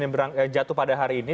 yang jatuh pada hari ini